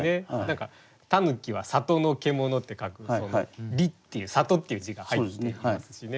狸は「里の獣」って書く「里」っていう「里」っていう字が入っていますしね。